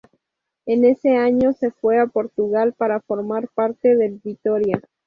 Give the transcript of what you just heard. En ese año se fue a Portugal para formar parte del Vitória.